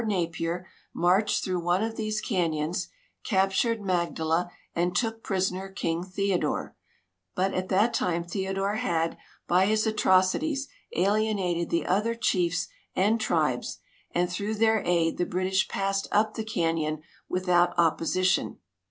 Napier, marched through one of these canjmns, captured Magdala, and took prisoner King Theodore ; but at that time Theodore had by his atrocities alienated the other chiefs and tribes, and through their aid the British passed up the canyon without opposition.